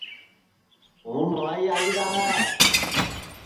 ہوں نہوائی آئی را ہے